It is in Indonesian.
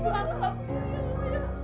maafkan burhan rahmat